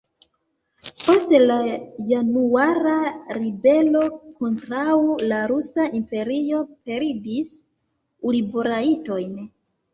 Post la januara ribelo kontraŭ la Rusa Imperio perdis urborajtojn.